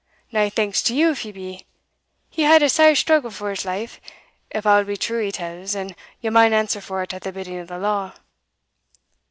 "Nae thanks to you if he be; he had a sair struggle for his life, if a' be true he tells, and ye maun answer for't at the bidding of the law."